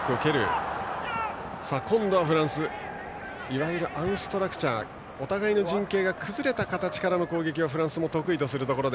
いわゆるアンストラクチャーお互いの陣形が崩れた形からの攻撃はフランスも得意とするところ。